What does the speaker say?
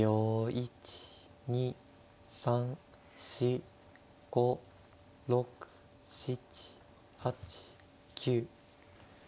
１２３４５６７８９。